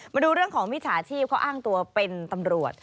มาดูเรื่องของมิจฉาชีพเขาอ้างตัวเป็นตำรวจ